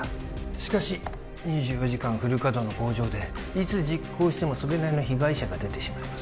しかし２４時間フル稼働の工場でいつ実行してもそれなりの被害者が出てしまいます